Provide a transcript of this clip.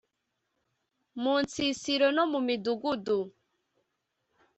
mu nsisiro no mu midugudu